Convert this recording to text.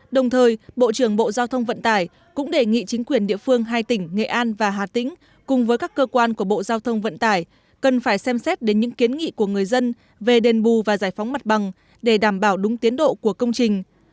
đồng thời bộ trưởng bộ giao thông vận tải cũng đề nghị chính quyền địa phương hai tỉnh nghệ an và hà tĩnh cùng với các cơ quan của bộ giao thông vận tải cần phải xem xét đến những kiến nghị của người dân về đền bù và giải phóng mặt bằng để đảm bảo đúng tiến độ của công trình